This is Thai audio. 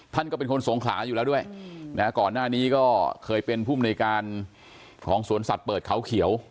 ท่านก็เป็นคนสงขลาอยู่แล้วด้วยนะก่อนหน้านี้ก็เคยเป็นผู้มนุยการของสวนสัตว์เปิดเขาเขียว